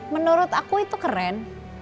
menurut aku itu keren